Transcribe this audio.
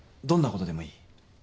どんなことでもいい。